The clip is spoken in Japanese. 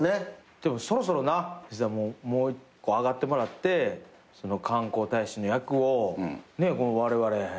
でもそろそろなもう１個上がってもらって観光大使の役をわれわれ。